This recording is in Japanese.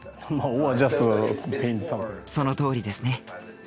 そのとおりですね。